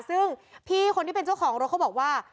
ซึ่งพี่คนที่เป็นเจ้าของรถเขาบอกว่า